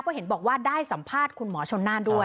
ก็เห็นบอกว่าได้สัมภาษณ์คุณหมอชนน่านด้วย